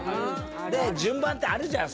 順番ってあるじゃん